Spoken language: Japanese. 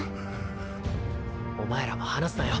お前らも離すなよ。